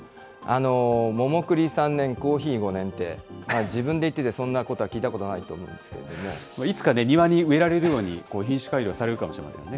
桃くり３年コーヒー５年って、自分で言っててそんなことは聞いいつか庭に植えられるように品種改良されるかもしれませんね。